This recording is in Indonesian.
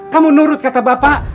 kamu nurut kata bapak